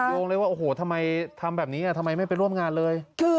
โยงเลยว่าโอ้โหทำไมทำแบบนี้ทำไมไม่ไปร่วมงานเลย